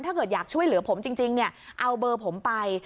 ถ้าเกิดอยากช่วยเหลือผมจริงเนี่ยเอาเบอร์ผมไป